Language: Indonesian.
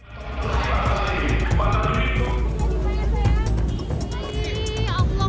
selamat pagi selamat pagi